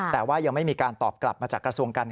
แต่ว่ายังไม่มีการตอบกลับมาจากกระทรวงการ